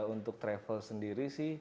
untuk travel sendiri sih